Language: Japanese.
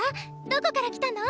どこから来たの？